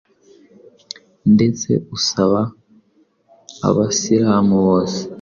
ndetse usaba abasilamu bose